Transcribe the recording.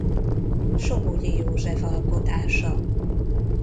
Somogyi József alkotása.